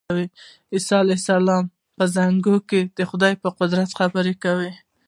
عیسی علیه السلام په زانګو کې د خدای په قدرت خبرې وکړې.